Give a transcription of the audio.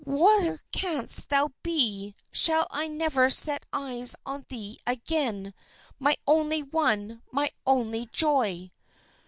Where canst thou be! Shall I never set eyes on thee again, my only one, my only joy?"